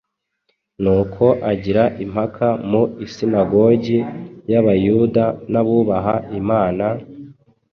Nuko agira impaka mu isinagogi y’Abayuda n’abubaha Imana,